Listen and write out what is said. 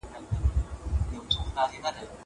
زه اوږده وخت سبزېجات جمع کوم!!